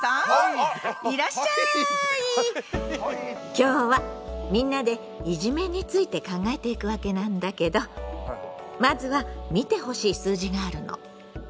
今日はみんなでいじめについて考えていくわけなんだけどまずは見てほしい数字があるの。